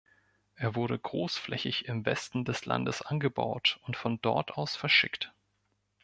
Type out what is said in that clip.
Er wurde großflächig im Westen des Landes angebaut und von dort aus verschickt.